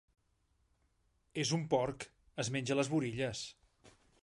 És un porc: es menja les burilles.